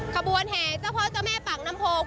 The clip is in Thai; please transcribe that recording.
ขบวนแห่เจ้าพ่อเจ้าแม่ปากน้ำโพง